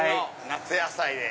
夏野菜で。